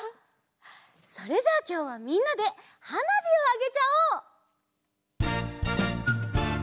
それじゃあきょうはみんなではなびをあげちゃおう！